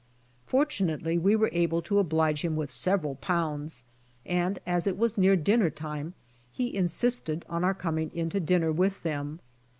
Fortunately we were able to oblige him with several pounds, and as it was near dinner time he insisted on our coming into dinner with them.